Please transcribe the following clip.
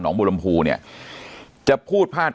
หนองบุรมภูเนี่ยจะพูดพาด